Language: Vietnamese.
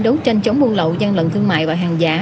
đấu tranh chống buôn lậu gian lận thương mại và hàng giả